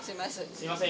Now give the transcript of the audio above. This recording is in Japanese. すいません。